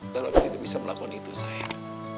dan papi tidak bisa melakukan itu sayang